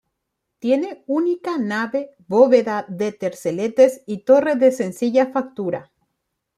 Tiene única nave, bóveda de terceletes y torre de sencilla factura.